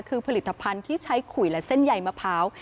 คือผลิตภัณฑ์ที่ใช้ขุยและเส้นใยมะพร้าว